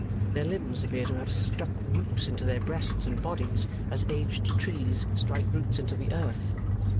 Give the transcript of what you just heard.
Their limbs appear to have struck roots into their breasts and bodies, as aged trees strike roots into the earth.